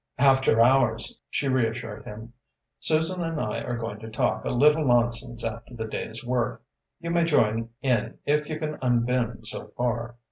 "After hours," she reassured him. "Susan and I are going to talk a little nonsense after the day's work. You may join in if you can unbend so far.